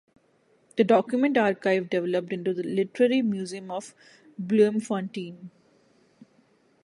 The document archive developed into the Literary Museum of Bloemfontein.